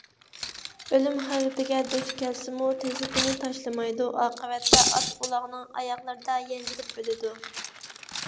ئۆلۈم خەۋپىگە دۇچ كەلسىمۇ تېزىكىنى تاشلىمايدۇ. ئاقىۋەتتە ئات - ئۇلاغنىڭ ئاياغلىرىدا يەنجىلىپ ئۆلىدۇ.